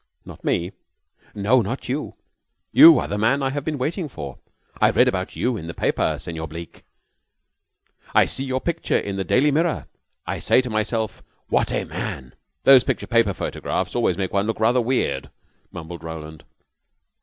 "Not me?" "No, not you. You are the man I have been waiting for. I read about you in the paper, Senor Bleke. I see your picture in the 'Daily Mirror!' I say to myself, 'What a man!'" "Those picture paper photographs always make one look rather weird," mumbled Roland.